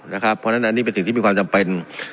เพราะฉะนั้นอันนี้เป็นสิ่งที่มีความจำเป็น